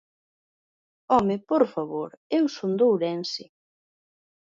¡Home, por favor, eu son de Ourense!